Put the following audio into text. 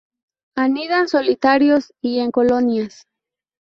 Anidan solitarios y en colonias.